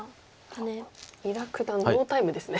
伊田九段ノータイムですね。